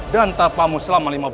dan tapamu selama lima belas